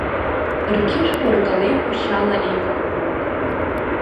Рқьышә уаркалеиқәа шьала еикәаԥхоит.